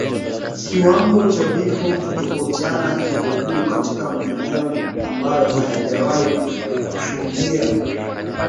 Kiwango cha vifo hutofautiana kiko juu katika maeneo ambayo hayajawahi kuushuhudia